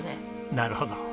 なるほど。